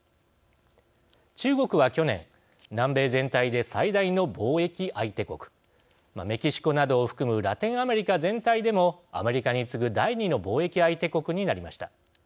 中国は去年南米全体で最大の貿易相手国メキシコなどを含むラテンアメリカ全体でもアメリカに次ぐ第２の貿易相手国になりました。